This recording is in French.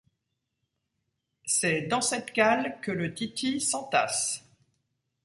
C’est dans cette cale que le titi s’entasse.